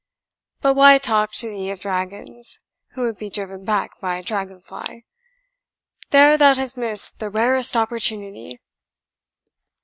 But why talk to thee of dragons, who would be driven back by a dragon fly. There thou hast missed the rarest opportunity!"